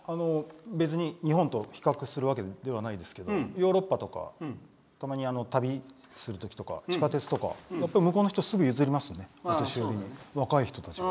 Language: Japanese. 別に日本と比較するわけじゃないですけどヨーロッパとかたまに旅するときとか地下鉄とか向こうの人すぐ譲りますよね、お年寄りも若い人たちも。